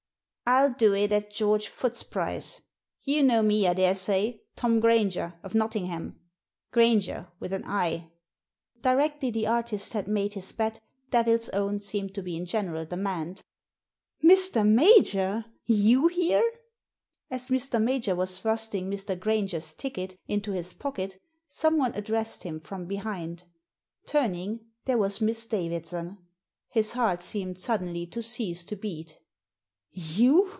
" I'll do it at George Foote's price. You know me, I daresay, Tom Grainger, of Nottingham — Grainger with an 'i.'" Directly the artist had made his bet Devil's Own seemed to be in general demand. "Mr. Major! You here!" As Mr. Major was thrusting Mr. Grainger's ticket into his pocket someone addressed him from behind. Turning, there was Miss Davidson. His heart seemed suddenly to cease to beat " You